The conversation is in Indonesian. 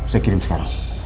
saya kirim sekarang